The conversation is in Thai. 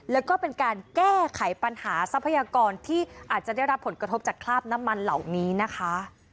แล้วก็เป็นการแก้ไขปัญหาทรัพยากรที่อาจจะได้รับผลกระทบจากคราบน้ำมันเหล่านี้นะคะ